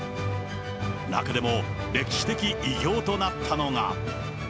中でも、歴史的偉業となったのが。